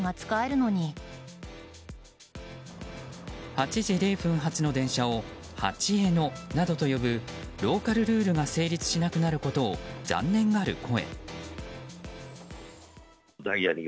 ８時０分発の電車を８えのなどと呼ぶローカルルールが成立しなくなることを残念がる声。